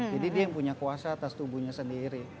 jadi dia yang punya kuasa atas tubuhnya sendiri